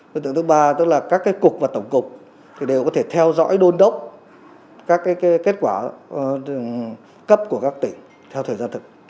đối tượng thứ ba tức là các cục và tổng cục đều có thể theo dõi đôn đốc các kết quả cấp của các tỉnh theo thời gian thực